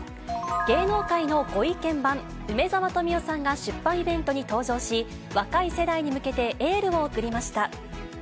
芸能界のご意見番、梅沢富美男さんが出版イベントに登場し、若い世代に向けて、エールを送りました。